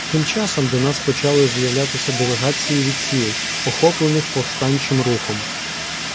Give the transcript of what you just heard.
Тим часом до нас почали з'являтися делегації від сіл, охоплених повстанчим рухом.